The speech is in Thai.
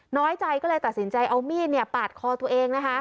น้อยใจก็เลยตัดสินใจเอามีดปาดคอตัวเองนะคะ